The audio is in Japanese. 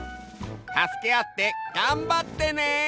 たすけあってがんばってね。